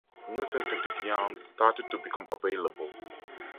New synthetic yarns started to become available.